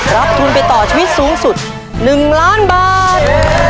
รับทุนไปต่อชีวิตสูงสุด๑ล้านบาท